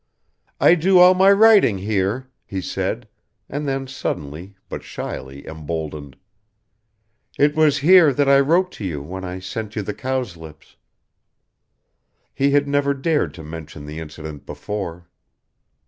"I do all my writing here," he said, and then suddenly but shyly emboldened: "it was here that I wrote to you when I sent you the cowslips." He had never dared to mention the incident before.